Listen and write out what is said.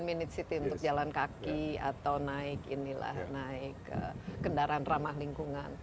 sepuluh minutes city untuk jalan kaki atau naik kendaraan ramah lingkungan